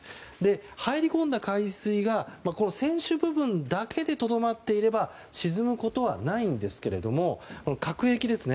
入り込んだ海水が船首部分だけでとどまっていれば沈むことはないんですが隔壁ですね